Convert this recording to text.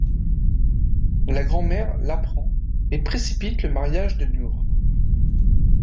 La grand-mère l'apprend et précipite le mariage de Nur.